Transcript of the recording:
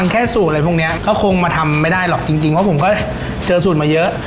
ก็คงมาทำไม่ได้หรอกจริงจริงแต่ผมก็เจอสูตรมาเยอะ